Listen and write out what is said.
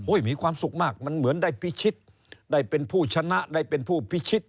มีความสุขมากมันเหมือนได้พิชิตได้เป็นผู้ชนะได้เป็นผู้พิชิต